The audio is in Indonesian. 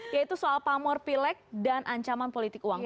yaitu soal pamor pileg dan ancaman politik uang